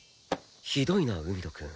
ひどいな海野くん。